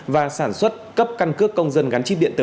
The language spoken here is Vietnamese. và sản xuất cấp căn cước công dân gắn chip điện tử